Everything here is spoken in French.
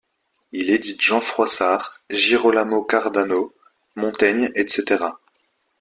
Il édite Jean Froissart, Girolamo Cardano, Montaigne, etc.